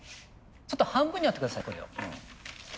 ちょっと半分に折って下さいこれを。